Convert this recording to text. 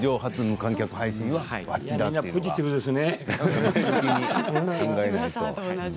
皆さんポジティブですね。